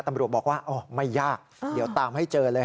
ตำรวจบอกว่าไม่ยากเดี๋ยวตามให้เจอเลย